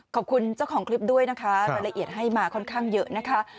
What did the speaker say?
ขอบคุณเจ้าของคลิปด้วยนะคะรายละเอียดให้มาค่อนข้างเยอะนะคะ